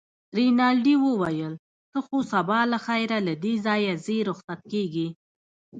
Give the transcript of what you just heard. رینالډي وویل: ته خو سبا له خیره له دې ځایه ځې، رخصت کېږې.